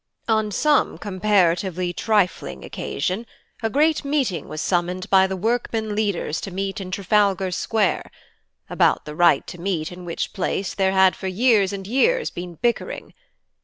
"On some comparatively trifling occasion a great meeting was summoned by the workmen leaders to meet in Trafalgar Square (about the right to meet in which place there had for years and years been bickering).